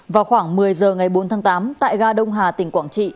vào khoảng một mươi giờ ngày bốn tháng tám tại ga đông hà tỉnh quảng trị